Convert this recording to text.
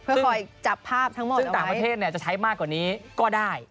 เพื่อคอยจับภาพทั้งหมดซึ่งต่างประเทศจะใช้มากกว่านี้ก็ได้